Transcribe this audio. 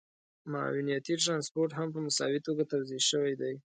معاونيتي ټرانسپورټ هم په مساوي توګه توزیع شوی دی